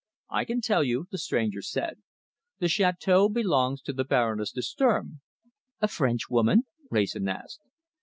"I can tell you," the stranger said. "The château belongs to the Baroness de Sturm." "A Frenchwoman?" Wrayson asked.